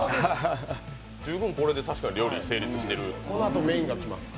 十分これで確かに料理、成立してる。